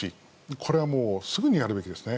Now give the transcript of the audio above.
これはもう、すぐにやるべきです。